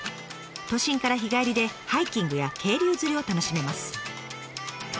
都心から日帰りでハイキングや渓流釣りを楽しめます。